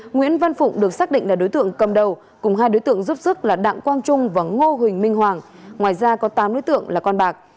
nguyễn văn phụng được xác định là đối tượng cầm đầu cùng hai đối tượng giúp sức là đặng quang trung và ngô huỳnh minh hoàng ngoài ra có tám đối tượng là con bạc